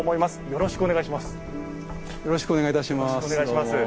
よろしくお願いします。